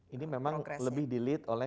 ini memang lebih dilit oleh